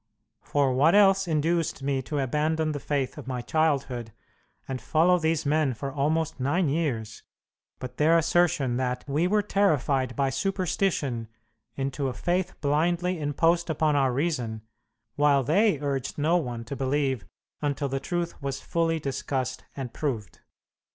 For what else induced me to abandon the faith of my childhood and follow these men for almost nine years, but their assertion that we were terrified by superstition into a faith blindly imposed upon our reason, while they urged no one to believe until the truth was fully discussed and proved?